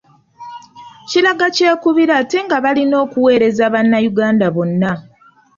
Kiraga kyekubiira ate nga balina okuweereza bannayuganda bonna.